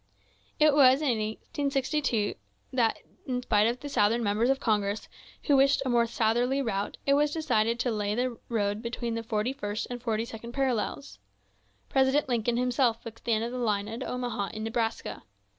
It was in 1862 that, in spite of the Southern Members of Congress, who wished a more southerly route, it was decided to lay the road between the forty first and forty second parallels. President Lincoln himself fixed the end of the line at Omaha, in Nebraska.